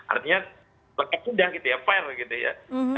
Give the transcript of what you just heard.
artinya pakai cedang fire gitu ya